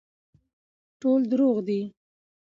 ټول دروغ دي